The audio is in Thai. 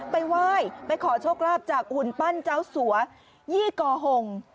ไปไหว้ไปขอโชคลาภจากหุ่นปั้นเจ้าสัวยี่กอหง